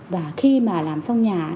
và khi mà làm xong nhà